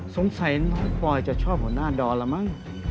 สงสัยน้องปอยจะชอบหัวหน้าดอนแล้วมั้ง